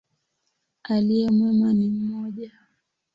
Aliye mwema ni mmoja.